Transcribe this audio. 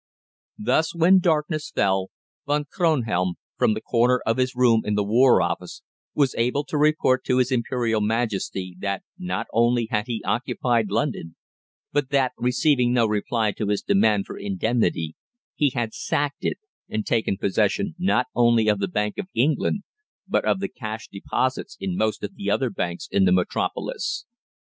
Thus, when darkness fell, Von Kronhelm, from the corner of his room in the War Office, was able to report to his Imperial Master that not only had he occupied London, but that, receiving no reply to his demand for indemnity, he had sacked it and taken possession not only of the Bank of England, but of the cash deposits in most of the other banks in the metropolis.